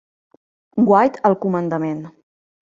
White al comandament.